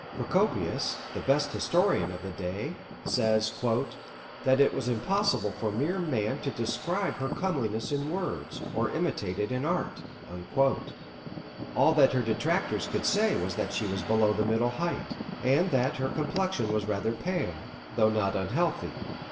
Procopius, the best historian of the day, says "that it was impossible for mere man to describe her comeliness in words, or imitate it in art." All that her detractors could say was that she was below the middle height, and that her complexion was rather pale, though not unhealthy.